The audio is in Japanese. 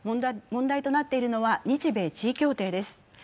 問題となっているのは、日米地位協定です。